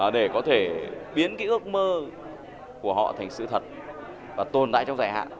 để có thể biến cái ước mơ của họ thành sự thật và tồn tại trong giải hạn